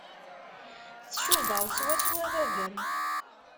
Tcubaḍ swaswa baba-m.